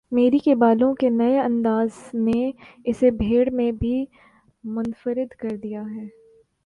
میری کے بالوں کے نئے انداز نے اسے بھیڑ میں بھی منفرد کر دیا تھا۔